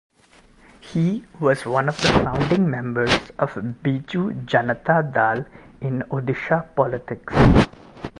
He was one of the founding members of Biju Janata Dal in Odisha politics.